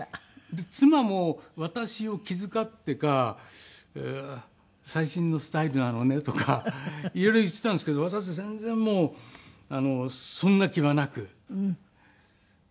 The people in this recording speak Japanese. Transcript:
で妻も私を気遣ってか「最新のスタイルなのね」とか色々言っていたんですけど私は全然もうそんな気はなく時計を２つしていたんです。